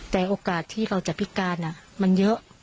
แต่โอกาสที่เราจะพิการมันเยอะ